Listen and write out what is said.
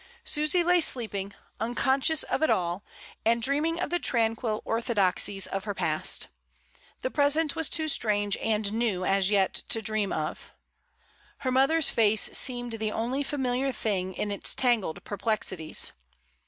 Susy lay sleeping, unconscious of it all, and dreaming of the tranquil orthodoxies of her past. The present was too strange and new as yet to dream of Her mother's face seemed the only fami liar thing in its tangled perplexities.